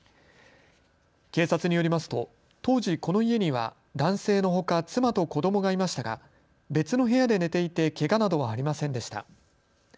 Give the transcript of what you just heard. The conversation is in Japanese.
警察によりますと当時、この家には男性のほか妻と子どもがいましたが別の部屋で寝ていてけがなどはありませんでした。